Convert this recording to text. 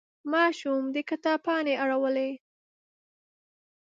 ماشوم د کتاب پاڼې اړولې.